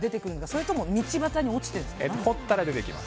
それとも道端に落ちていますか。